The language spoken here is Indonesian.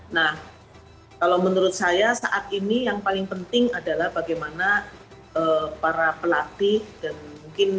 nah kalau menurut saya saat ini yang paling penting adalah bagaimana para pelatih dan pelatihan kita bisa bisa melakukan pertandingan